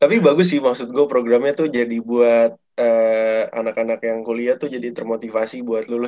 tapi bagus sih maksud gue programnya tuh jadi buat anak anak yang kuliah tuh jadi termotivasi gitu ya